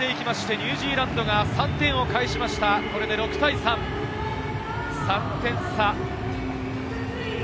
ニュージーランド、３点を返しました、６対３、３点差。